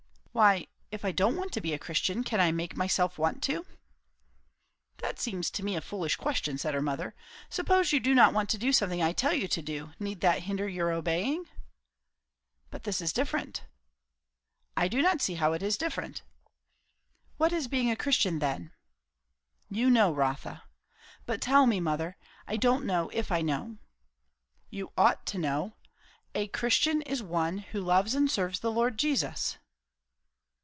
"Why! If I don't want to be a Christian, can I make myself want to?" "That seems to me a foolish question," said her mother. "Suppose you do not want to do something I tell you to do; need that hinder your obeying?" "But this is different." "I do not see how it is different." "What is being a Christian, then?" "You know, Rotha." "But tell me, mother. I don't know if I know." "You ought to know. A Christian is one who loves and serves the Lord Jesus."